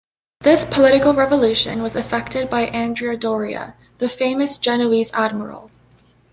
This political revolution was effected by Andrea Doria, the famous Genoese admiral.